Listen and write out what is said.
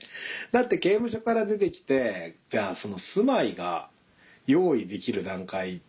だって刑務所から出て来て住まいが用意できる段階